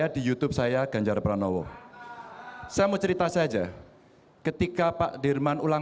dan bukan hanya dari keman capsulenyan